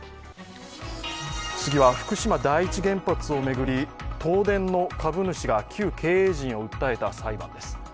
次は福島第一原発を巡り、東電の株主が旧経営陣を訴えた裁判です。